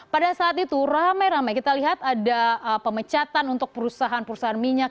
pada saat itu rame rame kita lihat ada pemecatan untuk perusahaan perusahaan minyak